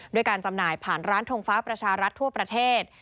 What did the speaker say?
ด้วยการจำหน่ายผ่านร้านทงฟ้าประชารัฐทั่วประเทศ